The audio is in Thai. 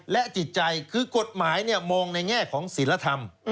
และจิตใจคือกฎหมายมองในแง่ของศิลธรรม